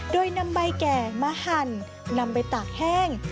โดยนำใบแก่มาหั่นนำไปตากแห้ง